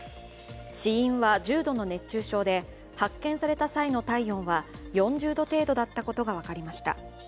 死因は重度の熱中症で発見された際の体温は４０度程度だったことが分かりました。